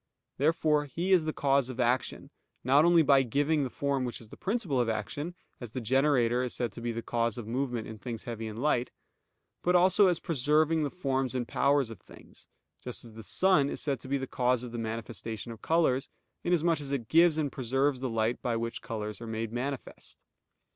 Therefore He is the cause of action not only by giving the form which is the principle of action, as the generator is said to be the cause of movement in things heavy and light; but also as preserving the forms and powers of things; just as the sun is said to be the cause of the manifestation of colors, inasmuch as it gives and preserves the light by which colors are made manifest.